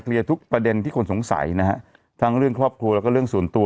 ทุกประเด็นที่คนสงสัยนะฮะทั้งเรื่องครอบครัวแล้วก็เรื่องส่วนตัว